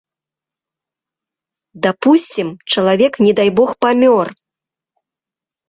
Дапусцім, чалавек, не дай бог, памёр.